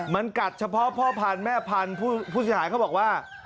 มันกัดเฉพาะพ่อพันธุ์แม่พันธุ์ผู้เสียหายเขาบอกว่า